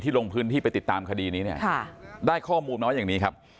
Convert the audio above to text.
ลงพื้นที่ไปติดตามคดีนี้เนี่ยได้ข้อมูลมาอย่างนี้ครับ